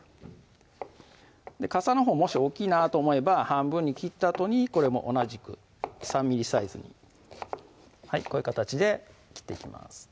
傘のほうもし大きいなと思えば半分に切ったあとにこれも同じく３ｍｍサイズにこういう形で切っていきます